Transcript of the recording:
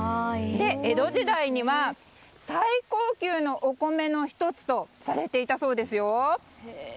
江戸時代には最高級のお米の１つとされていたそうですよ。